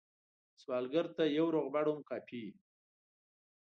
سوالګر ته یو روغبړ هم کافي وي